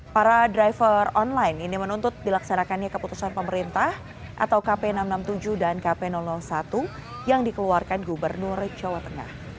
para driver online ini menuntut dilaksanakannya keputusan pemerintah atau kp enam ratus enam puluh tujuh dan kp satu yang dikeluarkan gubernur jawa tengah